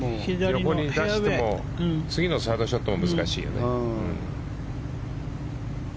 横に出しても次のサードショットも難しいよね。